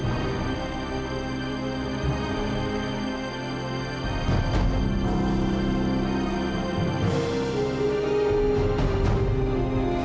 terima kasih dewi